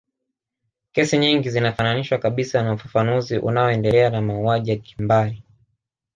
Kesi nyingi zinafananishwa kabisa na ufafanuzi unao endelea wa mauaji ya kimbari